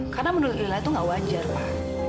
karena menurut lila itu gak wajar pa